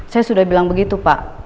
saya sudah bilang begitu pak